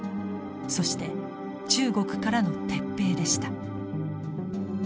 そして中国からの撤兵でした。